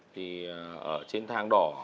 thì ở trên thang đỏ